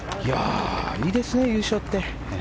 いいですね、優勝って。